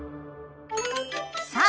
さあ